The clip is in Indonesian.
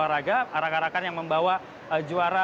dan luar raga arak arakan yang membawa juara